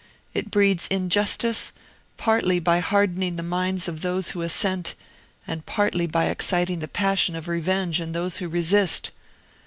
It breeds injustice, partly by hardening the minds of those who assent, and partly by exciting the passion of revenge in those who resist."